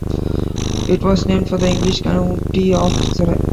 It was named for the English county of Surrey.